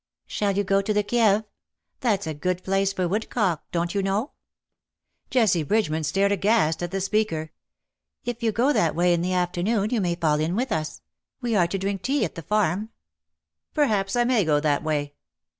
^^" Shall you go to the Kieve ? That^s a good place for woodcock, don^t you know ?^^ Jessie Bridge man stared aghast at the speaker. *' If you go that way in the afternoon you may fall in with us : we are to drink tea at the farm.^' '' Perhaps I may go that way.'''